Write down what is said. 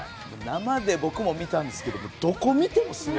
生で僕も見たんですけどどこ見てもすごいっていう。